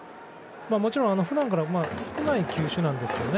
もちろん、普段から少ない球種なんですけどね。